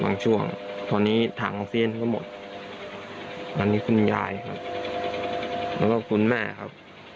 ช่วงตอนนี้ถังของเซียนก็หมดอันนี้คุณยายครับแล้วก็คุณแม่ครับ